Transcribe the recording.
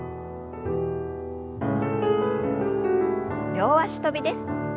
両脚跳びです。